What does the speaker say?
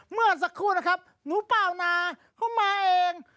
เมื่อสักครู่นะครับหนูเปล่านาเขามาเอง